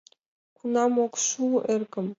— Кунам ок шу, эргым!